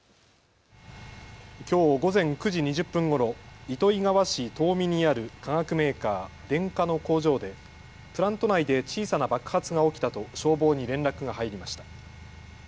きょう午前９時２０分ごろ糸魚川市田海にある化学メーカー、デンカの工場でプラント内で小さな爆発が起きたと消防に連絡が入りました。